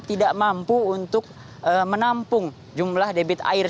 tidak mampu untuk menampung jumlah debit air